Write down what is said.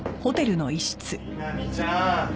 美波ちゃん